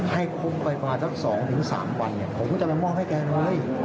ให้ครบไปมาสัก๒๓วันเนี่ยผมจะไปมอบให้แกน้อย